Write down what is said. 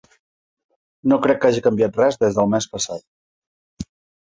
No crec que hagi canviat res des del mes passat.